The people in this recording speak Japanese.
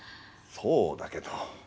そうだけど。